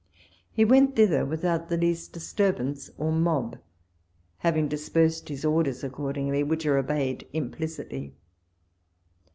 He went thither without the least disturbance or mob, having dispersed his orders accordinglj', which are obeyed im plicitly.